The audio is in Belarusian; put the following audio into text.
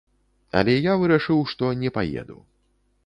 Але я вырашыў, што не паеду.